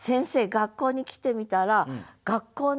学校に来てみたら学校の周り